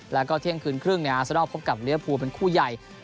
แล้วก็เที่ยงคืนครึ่งอาซานอลพบกับเรียภูเป็นคู่ใหญ่